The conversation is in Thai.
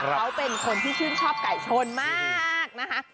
เขาเป็นคนที่ชื่นชอบไก่ชนมากนะคะ